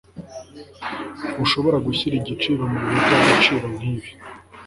ntushobora gushyira igiciro mubihe byagaciro nkibi